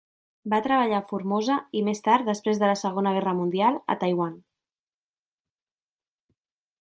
Va treballar a Formosa i més tard, després de la segona guerra mundial, a Taiwan.